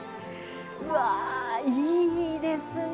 うわいいですね